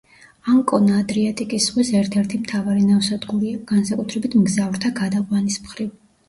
ანკონა ადრიატიკის ზღვის ერთ-ერთი მთავარი ნავსადგურია, განსაკუთრებით მგზავრთა გადაყვანის მხრივ.